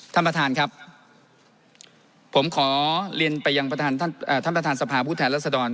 ท่านประธานครับผมขอเรียนไปยังท่านประธานสภาพุทธแหละสะดอน